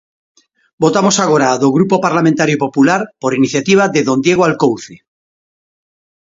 Votamos agora a do Grupo Parlamentario Popular, por iniciativa de don Diego Alcouce.